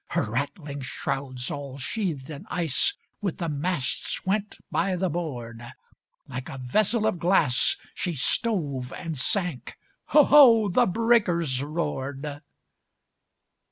Her rattling shrouds, all sheathed in ice, With the masts went by the board; Like a vessel of glass, she stove and sank, Ho! ho! the breakers roared!